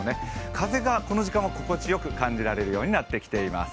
風がこの時間は心地よく感じられるようになってきています。